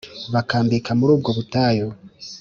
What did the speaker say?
bakambika muri ubwo butayu